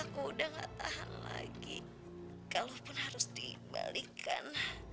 aku udah gak tahan lagi kalaupun harus dikembalikan